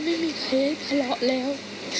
ไม่มีใครให้พละแล้ว